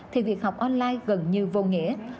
thì việc học online gần như vô nghĩa